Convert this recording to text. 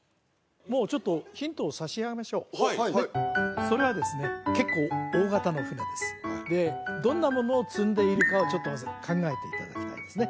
もうちょっとヒントを差し上げましょうねっそれはですね結構大型の船ですでどんなものを積んでいるかをちょっとまず考えていただきたいですね